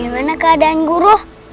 bagaimana keadaan guru